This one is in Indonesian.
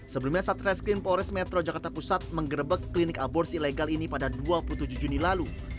sebelumnya satreskrim polres metro jakarta pusat menggerebek klinik aborsi ilegal ini pada dua puluh tujuh juni lalu